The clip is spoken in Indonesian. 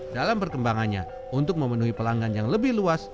dalam perkembangannya untuk memenuhi pelanggan yang lebih luas